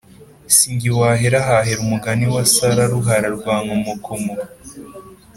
Sinjye wahera hahera umugani wasararuhara rwankomokomo